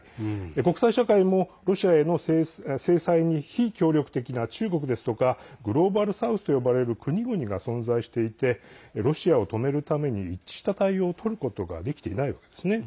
国際社会もロシアへの制裁に非協力的な中国ですとかグローバル・サウスと呼ばれる国々が存在していてロシアを止めるために一致した対応をとることができていないわけですね。